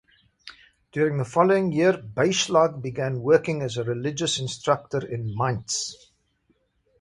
During the following year, Beyschlag began working as a religious instructor in Mainz.